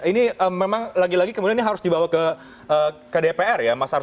ini memang lagi lagi kemudian ini harus dibawa ke dpr